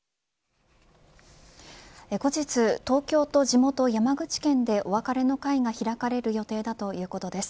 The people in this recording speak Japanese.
後日、東京と地元山口県でお別れの会が開かれる予定だということです。